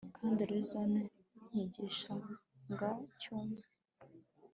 Kandi lissom nkigishanga cyumye